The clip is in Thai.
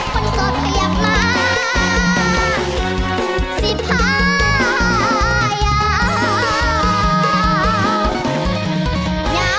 มันก็พยายามมาสิบห้ายาว